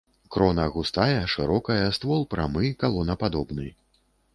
Крона густая, шырокая, ствол прамы, калонападобны.